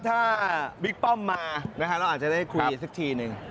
ถ้าหวังวิกป้อมมาเราจะคุยสักทีนึง